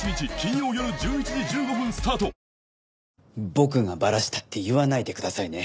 僕がバラしたって言わないでくださいね。